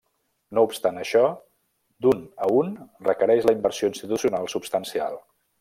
No obstant això, d'un a un requereix la inversió institucional substancial.